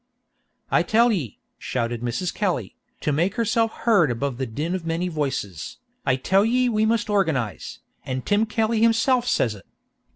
"I tell ye," shouted Mrs. Kelly, to make herself heard above the din of many voices, "I tell ye we must organize, an' Tim Kelly himself says it.